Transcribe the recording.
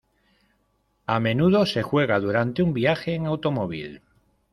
A menudo se juega durante un viaje en automóvil.